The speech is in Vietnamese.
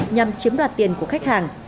nhằm chiếm đoạt tiền của khách hàng